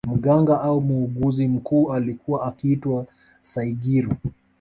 Mganga au muuguzi mkuu alikuwa akiitwa Saigiro